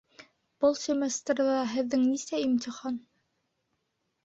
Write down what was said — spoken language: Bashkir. Был семестрҙа һеҙҙең нисә имтихан?